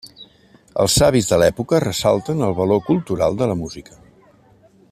Els savis de l'època ressalten el valor cultural de la música.